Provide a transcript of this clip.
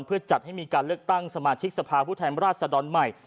เพื่อจัดให้มีการเลือกตั้งสมาชิกสภาพผู้แทนราชดรใหม่